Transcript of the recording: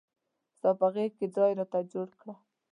ستا په غیږ کې ځای راته جوړ کړه.